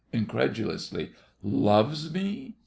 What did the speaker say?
(incredulously). Loves me?